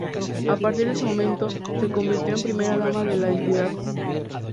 A partir de ese momento, se convirtió en primera dama de la entidad.